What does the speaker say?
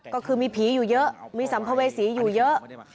ก็คือมีผีอยู่เยอะมีสัมภเวษีอยู่เยอะ